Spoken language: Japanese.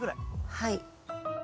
はい。